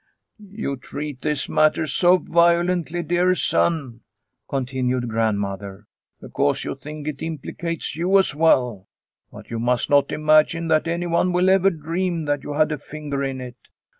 " You treat this matter so vio lently, dear son," continued grandmother, " be cause you think it implicates you as well. But you must not imagine that anyone will ever dream that you had a finger in it.